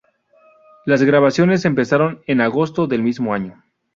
Las grabaciones empezaron en agosto del mismo año.